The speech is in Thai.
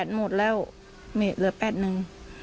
๑๘หมดแล้วเหลือ๘๑